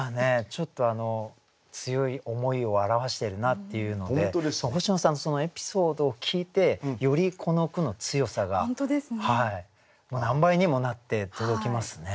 ちょっとあの強い思いを表しているなっていうのをね星野さんのそのエピソードを聞いてよりこの句の強さが何倍にもなって届きますね。